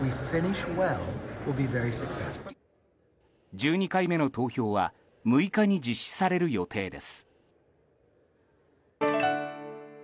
１２回目の投票は６日に実施される予定です。